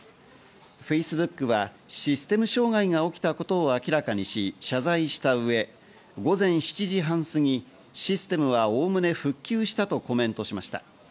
Ｆａｃｅｂｏｏｋはシステム障害が起きたことを明らかにし、謝罪したうえ午前７時半すぎ、システムはおおむね復旧したとコメントしました。